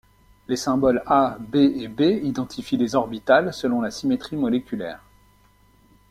Les symboles a, b et b identifient les orbitales selon la symétrie moléculaire.